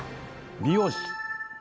美容師。